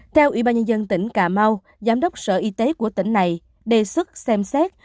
theo ủy ban nhân dân tỉnh cà mau giám đốc sở y tế của tỉnh này đề xuất xem xét